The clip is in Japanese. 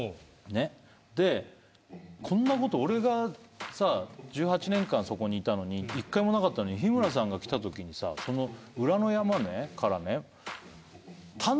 こんなこと俺がさ１８年間そこにいたのに１回もなかったのに日村さんが来たときにさその裏の山から。